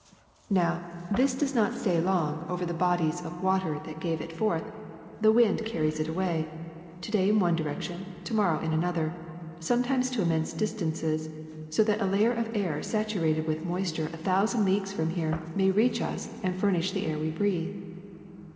Now, this does not stay long over the bodies of water HUMIDITY IN THE ATMOSPHERE 337 that gave it forth; the wind carries it away, to day in one direction, to morrow in another, sometimes to immense distances, so that a layer of air saturated with moisture a thousand leagues from here may reach us and furnish the air we breathe.